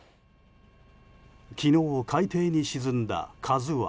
昨日、海底に沈んだ「ＫＡＺＵ１」。